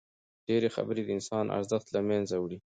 ډېري خبري د انسان ارزښت له منځه وړي.